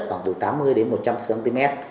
khoảng từ tám mươi đến một trăm linh cm